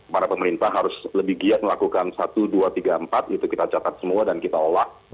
para pemerintah harus lebih giat melakukan satu dua tiga empat itu kita catat semua dan kita olah